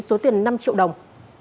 với một triệu đồng